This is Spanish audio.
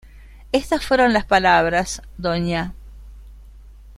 Estas fueron las palabras Dña.